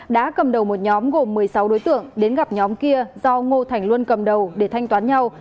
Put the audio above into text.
đã cầm đầu một nhóm gồm một mươi sáu đối tượng đến gặp nhóm kia do ngô thành luân cầm đầu để thanh toán nhau